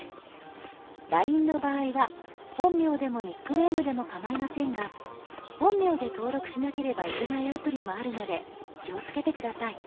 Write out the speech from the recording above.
「ＬＩＮＥ」の場合は本名でもニックネームでもかまいませんが本名で登録しなければいけないアプリもあるので気をつけて下さい。